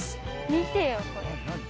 見てよこれ。